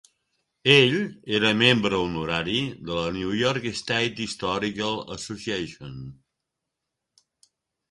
Ell era membre honorari de la New York State Historical Association.